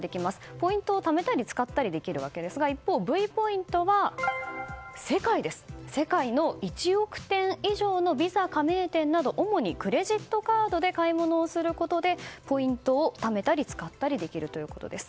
ポイントをためたり使ったりできるわけですが一方、Ｖポイントは世界の１億店以上のＶＩＳＡ加盟店など主にクレジットカードで買い物をすることでポイントをためたり使ったりできるということです。